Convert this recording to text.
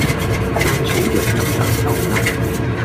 山草藥噏得就噏